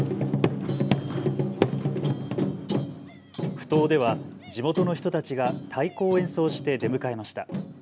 ふ頭では地元の人たちが太鼓を演奏して出迎えました。